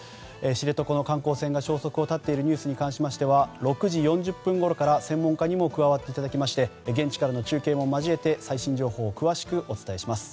知床の観光船が消息を絶っているニュースに関しては６時４０分ごろから、専門家にも加わっていただきまして現地からの中継を交えて最新情報を詳しくお伝えします。